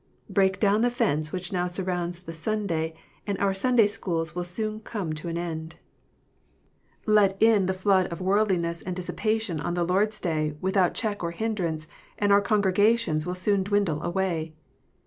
Break down the fence which now surrounds the Sunday, and our Sunday schools will soon come to an end. THE SABBATH. 299 Let in the flood of worldliness and dissipation on the Lord s Day, without check or hindrance, and our congregations will soon dwindle away.